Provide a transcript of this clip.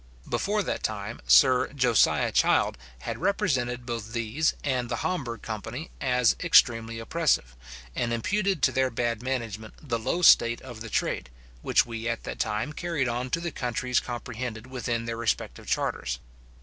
Before that time, Sir Josiah Child had represented both these and the Hamburgh company as extremely oppressive, and imputed to their bad management the low state of the trade, which we at that time carried on to the countries comprehended within their respective charters.